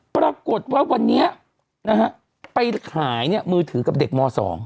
ปรากฏว่าวันนี้นะฮะไปขายมือถือกับเด็กม๒